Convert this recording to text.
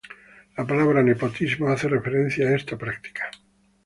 La palabra "nepotismo" hace referencia a esta práctica.